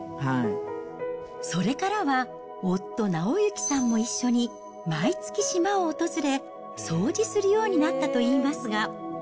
それからは、夫、直行さんも一緒に、毎月、島を訪れ、掃除するようになったといいますが。